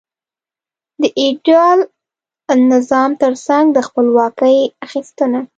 د ایډیال نظام ترڅنګ د خپلواکۍ اخیستنه.